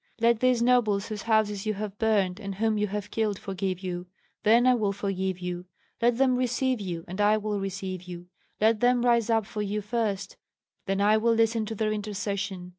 Let these nobles whose houses you have burned and whom you have killed forgive you, then I will forgive you; let them receive you, and I will receive you; let them rise up for you first, then I will listen to their intercession.